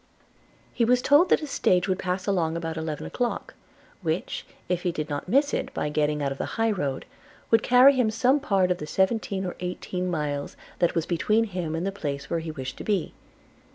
He was told that a stage would pass along about eleven o'clock; which, if he did not miss it by getting out of the highroad, would carry him some part of the seventeen or eighteen miles that was between him and the place where he wished to be.